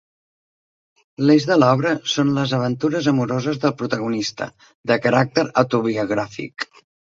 L'eix de l'obra són les aventures amoroses del protagonista, de caràcter autobiogràfic.